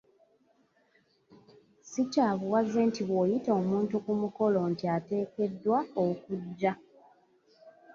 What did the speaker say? Si kya buwaze nti bw'oyita omuntu ku mukolo nti ateekeddwa okujja.